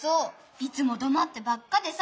いつもだまってばっかでさ。